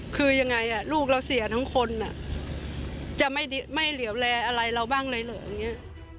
คือยังไงลูกเราเสียทั้งคนจะไม่เหลวแลอะไรเราบ้างเลย